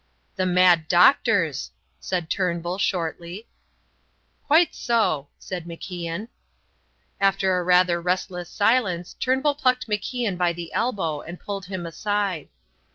"The mad doctors," said Turnbull, shortly. "Quite so," said MacIan. After a rather restless silence Turnbull plucked MacIan by the elbow and pulled him aside.